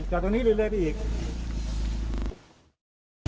จากตรงนี้เรื่อยเรื่อยพี่อีก